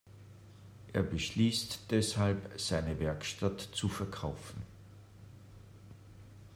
Er beschließt deshalb, seine Werkstatt zu verkaufen.